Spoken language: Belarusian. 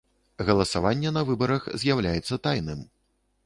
Галасаванне на выбарах з’яўляецца тайным.